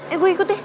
eh gue ikut ya